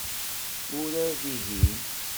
Urar dihin.